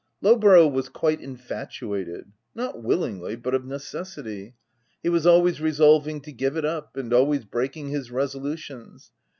Lowborough was quite infatuated — not willingly, but of necessity, — he was always resolving to give it up, and always breaking his resolutions.